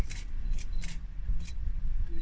ขอบคุณก่อน